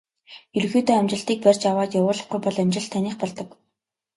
Ерөнхийдөө амжилтыг барьж аваад явуулахгүй бол амжилт таных болдог.